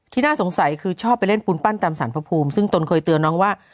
น่าสงสัยคือชอบไปเล่นปูนปั้นตามสารพระภูมิซึ่งตนเคยเตือนน้องว่า